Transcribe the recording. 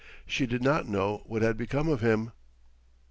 She did not know what had become of him.